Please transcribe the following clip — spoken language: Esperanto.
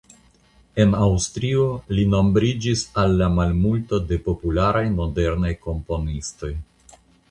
En Aŭstrio li nombriĝis al la malmulto de popularaj modernaj komponistoj.